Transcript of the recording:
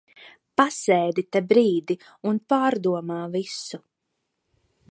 Pasēdi te brīdi un pārdomā visu.